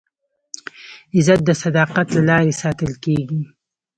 عزت د صداقت له لارې ساتل کېږي.